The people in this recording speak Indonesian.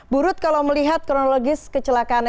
burut kalau melihat kronologis kecelakaan